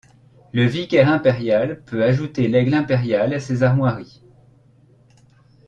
Le vicaire impérial peut ajouter l’aigle impérial à ses armoiries.